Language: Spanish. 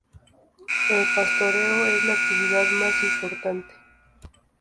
El pastoreo es la actividad más importante.